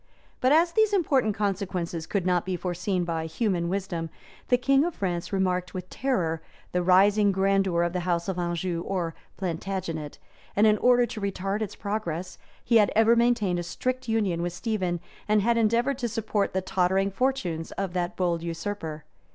But as these important consequences could not be foreseen by human wisdom, the king of France remarked with terror the rising grandeur of the house of Anjou or Plantagenet; and in order to retard its progress, he had ever maintained a strict union with Stephen, and had endeavored to support the tottering fortunes of that bold usurper.